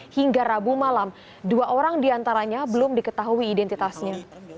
hingga rabu malam dua orang diantaranya belum diketahui identitasnya